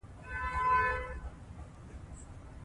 تاریخ د افغان کلتور په داستانونو کې راځي.